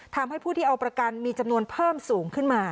ทำให้ผู้ที่เอาประกันมีจำนวนเพิ่มสูงขึ้นมา